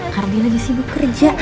hardi lagi sibuk kerja